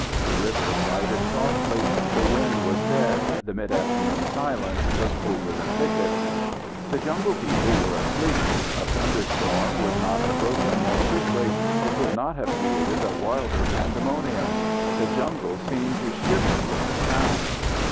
The river glided softly, the wind was dead, the mid afternoon silence was over the thickets. The jungle people were asleep. A thunder storm would not have broken more quickly, or could not have created a wilder pandemonium. The jungle seemed to shiver with the sound.